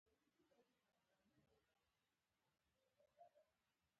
تنور د ګډ ژوند تودوخه ده